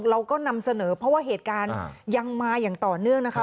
เราก็นำเสนอเพราะว่าเหตุการณ์ยังมาอย่างต่อเนื่องนะคะ